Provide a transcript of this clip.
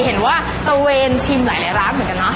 เห็นว่าตะเวนชิมหลายร้านเหมือนกันเนาะ